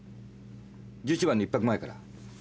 １１番の１拍前から。